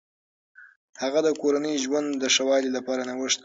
هغه د کورني ژوند د ښه والي لپاره نوښت کوي.